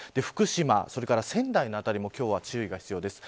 福島や仙台の辺りも注意が必要です。